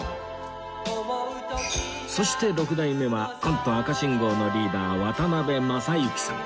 そして六代目はコント赤信号のリーダー渡辺正行さん